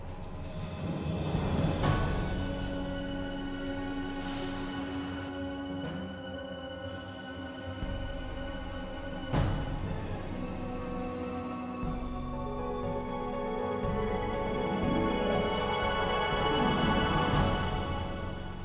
dia juga nyesel together nya terus